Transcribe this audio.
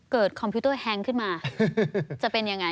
เกิดคอมพิวเตอร์แฮงขึ้นมาจะเป็นอย่างไร